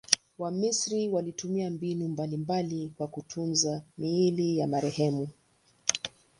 Wamisri walitumia mbinu mbalimbali kwa kutunza miili ya marehemu.